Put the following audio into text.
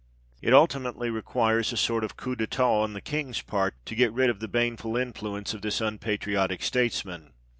It ultimately requires a sort of coup (Tetat on the king's part to get rid of the baneful influence of this unpatriotic statesman.